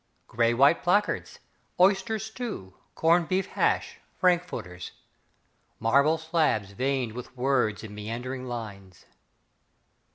Grey white placards: "Oyster Stew, Cornbeef Hash, Frankfurters": Marble slabs veined with words in meandering lines.